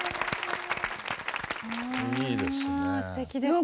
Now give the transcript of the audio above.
いいですね。